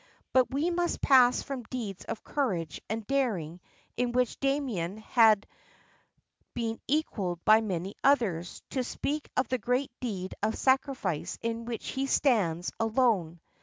But we must pass from deeds of courage and daring in which Damien has been equaled by many others, to speak of the great deed of sacrifice in which he stands alone.